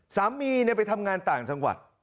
สามีไปทำงานต่างจังหวัด